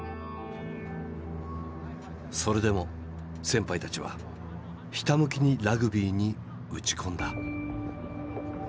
それでも先輩たちはひたむきにラグビーに打ち込んだ。